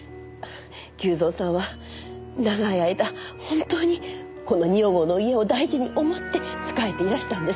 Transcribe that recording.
久造さんは長い間本当にこの二百郷の家を大事に思って仕えていらしたんです。